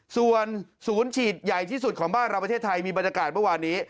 ส่วนศูนย์ฉีดใหญ่ที่สุดของบ้านเราประเทศไทยมีบรรยากาศเมื่อวานนี้